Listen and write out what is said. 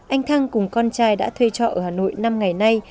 anh thăng cùng con trai đã thuê trọ ở hà nội năm ngày nay